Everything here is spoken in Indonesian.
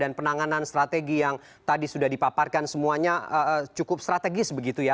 dan penanganan strategi yang tadi sudah dipaparkan semuanya cukup strategis begitu ya